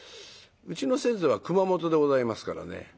うちの先祖は熊本でございますからね。